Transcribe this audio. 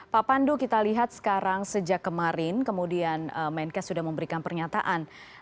pak pandu kita lihat sekarang sejak kemarin kemudian menkes sudah memberikan pernyataan